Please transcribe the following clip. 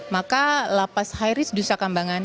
maka lapas hairis disakambangkan